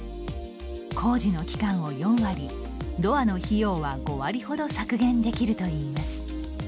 工事の期間を４割ドアの費用は５割ほど削減できるといいます。